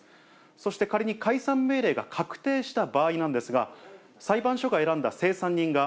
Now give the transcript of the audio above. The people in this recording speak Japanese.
そして仮に解散命令が確定した場合なんですが、裁判所が選んだ清算人が、